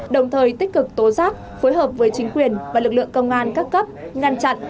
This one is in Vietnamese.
đồng thời tích cực tố giác phối hợp với chính quyền và lực lượng công an các cấp ngăn chặn